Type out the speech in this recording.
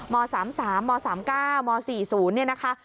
ม๓๓ม๓๙ม๔๐เนี่ยนะคะ